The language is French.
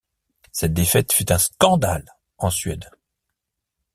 Cette défaite fut un scandale en Suède.